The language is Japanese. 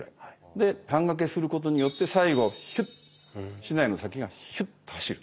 で半掛けすることによって最後ヒュッ竹刀の先がヒュッと走る。